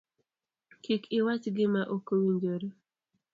Kik iwach gima okowinjore